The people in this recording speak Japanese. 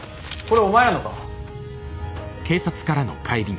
これお前らのか？